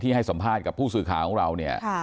ให้สัมภาษณ์กับผู้สื่อข่าวของเราเนี่ย